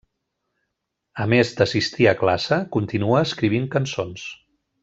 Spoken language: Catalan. A més d'assistir a classe, continua escrivint cançons.